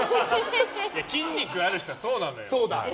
筋肉ある人はそうなのよ。